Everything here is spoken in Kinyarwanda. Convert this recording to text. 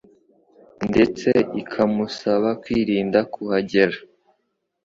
ndetse ikamusaba kwirinda kuhagera.